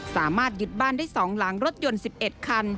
สามารถยึดบ้านได้๒หลังรถยนต์๑๑คัน